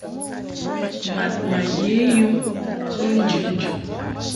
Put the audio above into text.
Mad ma ye yum be njɨʼnjɨʼ.